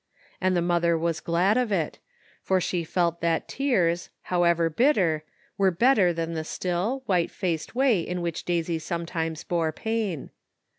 And the mother was glad of it ; for she felt that tears, however bitter, were better than the still, white faced way in which Daisy sometimes bore pain.